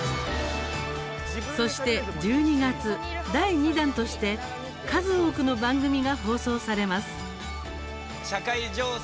そして１２月、第２弾として数多くの番組が放送されます。